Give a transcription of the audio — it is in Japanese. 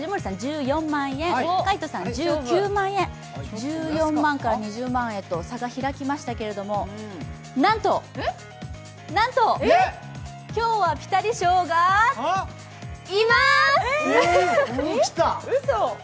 １４万円から２０万円と差が開きましたけど、なんと、なんと、今日はピタリ賞がいまーす！